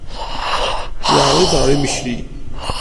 Yeɛreḍ-iyi-d ɣer yimekli.